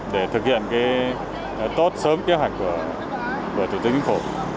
để thực hiện tốt sớm kế hoạch của thủ tướng chính phủ